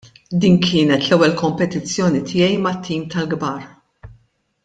Din kienet l-ewwel kompetizzjoni tiegħi mat-tim tal-kbar.